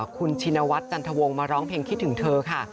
คุณชินวัฒน์จันทวงศ์มาร้องเพลงคิดถึงเธอค่ะ